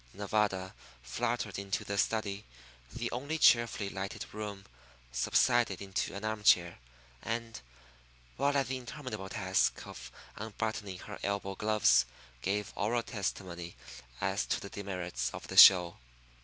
Nevada fluttered into the study, the only cheerfully lighted room, subsided into an arm chair, and, while at the interminable task of unbuttoning her elbow gloves, gave oral testimony as to the demerits of the "show."